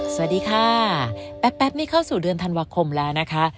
สวัสดีค่ะแป๊บนี่เข้าสู่เดือนธันวาคมแล้วนะคะ